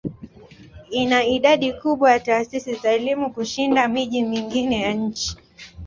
Ina idadi kubwa ya taasisi za elimu kushinda miji mingine ya nchi.